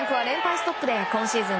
ストップで今シーズン